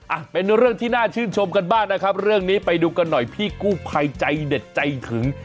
อ่ะเป็นเรื่องที่น่าชื่นชมกันบ้างนะครับเรื่องนี้ไปดูกันหน่อยพี่กู้ภัยใจเด็ดใจถึง